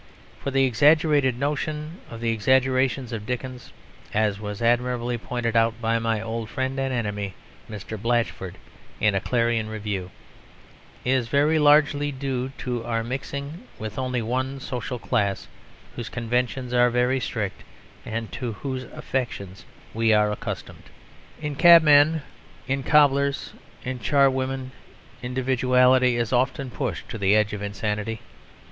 For the exaggerated notion of the exaggerations of Dickens (as was admirably pointed out by my old friend and enemy Mr. Blatchford in a Clarion review) is very largely due to our mixing with only one social class, whose conventions are very strict, and to whose affectations we are accustomed. In cabmen, in cobblers, in charwomen, individuality is often pushed to the edge of insanity.